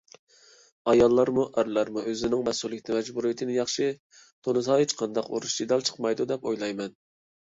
ئاياللارمۇ، ئەرلەرمۇ ئۆزىنىڭ مەسئۇلىيەت، مەجبۇرىيەتلىرىنى ياخشى تونۇسا ھېچقانداق ئۇرۇش-جېدەل چىقمايدۇ دەپ ئويلايمەن.